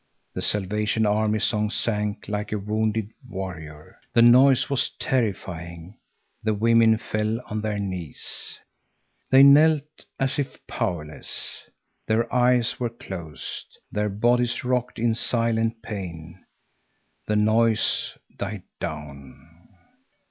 The Salvation Army song sank like a wounded warrior. The noise was terrifying. The women fell on their knees. They knelt as if powerless. Their eyes were closed. Their bodies rocked in silent pain. The noise died down.